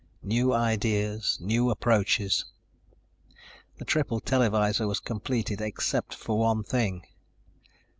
New ideas, new approaches. The triple televisor was completed except for one thing.